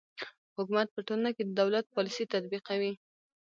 حکومت په ټولنه کې د دولت پالیسي تطبیقوي.